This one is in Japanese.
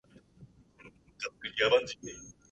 最悪